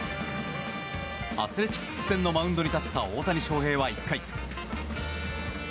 アスレチックス戦のマウンドに立った大谷翔平は１回。